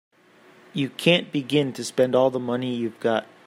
You can't begin to spend all the money you've got.